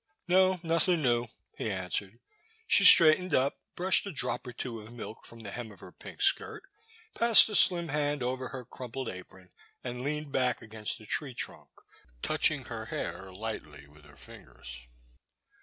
No, nothing new," he answered. She straightened up, brushed a drop or two of milk from the hem of her pink skirt, passed a slim hand over her crumpled apron, and leaned back against the tree trunk, touching her hair lightly with her fingers.